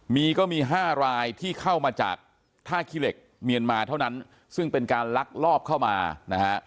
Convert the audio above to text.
มีก็มี๕รายที่เข้ามาจากท่าขี้เหล็กเมียนมาเท่านั้นซึ่งเป็นการลักลอบเข้ามานะฮะ